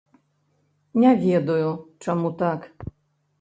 Не ведаю, чаму так.